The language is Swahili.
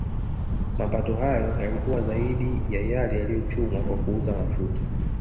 Mapato hayo yalikuwa zaidi ya yale yaliyochumwa kwa kuuza mafuta